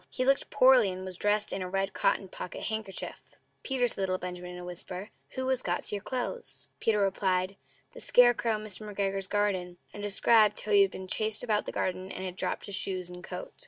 He looked poorly, and was dressed in a red cotton pocket handkerchief. "Peter," said little Benjamin, in a whisper, "who has got your clothes?" Peter replied, "The scarecrow in Mr. McGregor's garden," and described how he had been chased about the garden, and had dropped his shoes and coat.